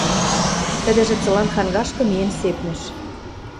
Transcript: Тӹдӹжӹ цылан хангашкы миэн сепнӹш.